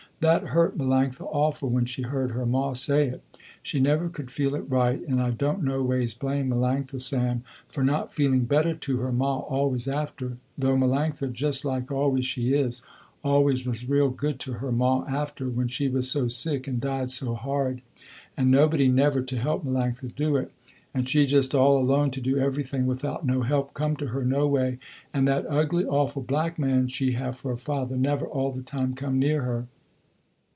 That hurt Melanctha awful when she heard her ma say it. She never could feel it right, and I don't no ways blame Melanctha, Sam, for not feeling better to her ma always after, though Melanctha, just like always she is, always was real good to her ma after, when she was so sick, and died so hard, and nobody never to help Melanctha do it, and she just all alone to do everything without no help come to her no way, and that ugly awful black man she have for a father never all the time come near her.